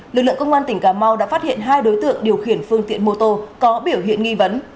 lực lượng công an tỉnh cà mau đã phát hiện hai đối tượng điều khiển phương tiện mô tô có biểu hiện nghi vấn